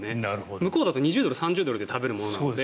向こうだと２０ドル、３０ドルで食べるものなので。